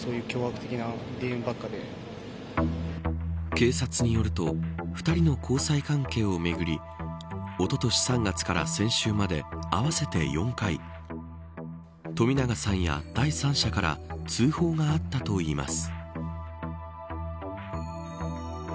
警察によると２人の交際関係をめぐりおととし３月から先週まで合わせて４回冨永さんや、第三者から通報があったといいます。